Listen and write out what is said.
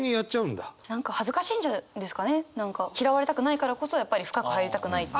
嫌われたくないからこそやっぱり深く入りたくないって。